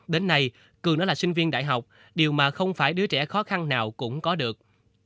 đến nay cường đã là sinh viên đại học điều mà không phải đứa trẻ khó khăn nào cũng có được